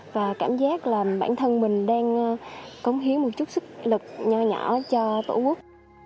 và cảm giác là bản thân mình đang cống hiến một chút sức lực nhỏ nhỏ cho tổ quốc